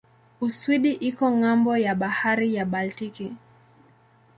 Uswidi iko ng'ambo ya bahari ya Baltiki.